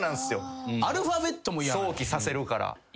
想起させるから。